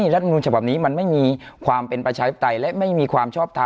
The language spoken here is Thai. รัฐมนุนฉบับนี้มันไม่มีความเป็นประชาธิปไตยและไม่มีความชอบทำ